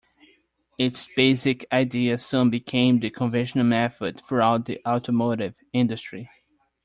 Its basic idea soon became the conventional method throughout the automotive industry.